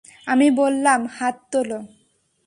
আমি বললাম, হাত তোল।